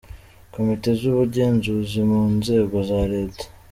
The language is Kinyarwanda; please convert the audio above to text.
Komite z’Ubugenzuzi mu Nzego za Leta;.